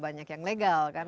banyak yang legal kan